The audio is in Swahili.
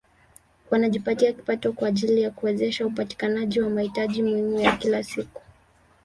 Wanajipatia kipato kwa ajili ya kuwezesha upatikanaji wa mahitaji muhimu ya kila siku